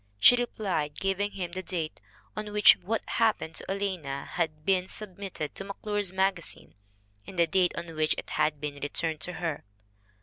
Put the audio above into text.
She replied, giving him the date on which What Happened to Alanna had been sub mitted to McClure' s Magazine and the date on which it had been returned to her.